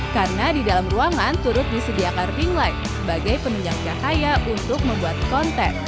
karena di dalam ruangan turut disediakan ring light sebagai penunjangnya kaya untuk membuat konten